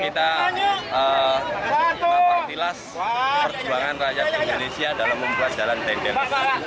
kita memakai tilas perjuangan rakyat indonesia dalam membuat jalan dendels